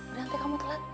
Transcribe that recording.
udah nanti kamu telat